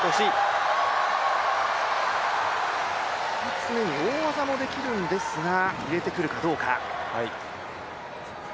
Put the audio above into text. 常に大技もできるんですが、入れてくるかどうか。